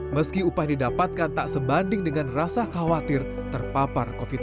meski upah didapatkan tak sebanding dengan rasa khawatir terpapar covid sembilan belas